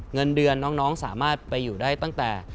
เงินเดือนน้องสามารถไปอยู่ได้ตั้งแต่